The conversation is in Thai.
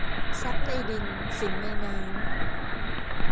ทรัพย์ในดิน สินในน้ำ